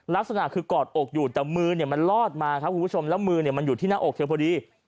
ลักษณะคือกอดอกอยู่แต่มือเนี่ยมันลอดมาครับคุณผู้ชมแล้วมือเนี่ยมันอยู่ที่หน้าอกเธอพอดี